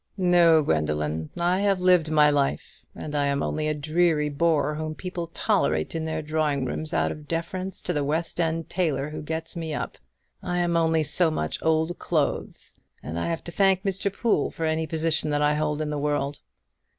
"No, Gwendoline; I have lived my life, and I am only a dreary bore whom people tolerate in their drawing rooms out of deference to the West end tailor who gets me up. I am only so much old clothes, and I have to thank Mr. Poole for any position that I hold in the world.